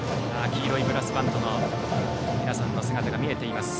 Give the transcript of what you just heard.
黄色いブラスバンドの皆さんの姿が見えています。